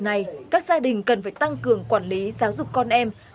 nhất là các gia đình cần phải tăng cường quản lý giáo dục con em